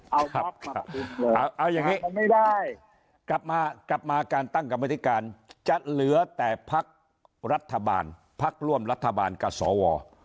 เอาครับเอาอย่างนี้กลับมากลับมาการตั้งกรรมธิการจะเหลือแต่พักรัฐบาลพักร่วมรัฐบาลกับสว